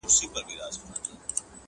خوله یې وازه کړه آواز ته سمدلاسه!